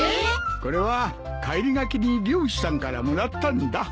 これは帰りがけに漁師さんからもらったんだ。